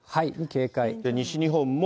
西日本も。